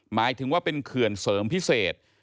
หมายถึงว่าเป็นเขื่อนเสริมพิเศษ